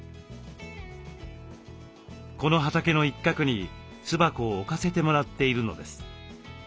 この畑の一角に巣箱を置かせてもらっているのです。